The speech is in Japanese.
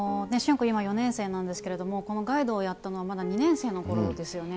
君、今４年生なんですけれども、このガイドをやったのはまだ２年生の頃ですよね。